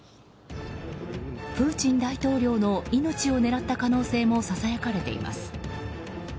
プーチン大統領の命を狙った可能性もささやかれています。